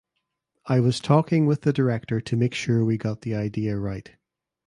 I was talking with the director to make sure we got the idea right.